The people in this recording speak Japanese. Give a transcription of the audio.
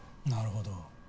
なるほど。